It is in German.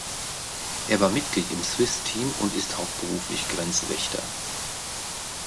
Er war Mitglied im Swiss Team und ist hauptberuflich Grenzwächter.